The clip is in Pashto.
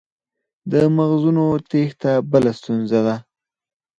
د مغزونو تیښته بله ستونزه ده.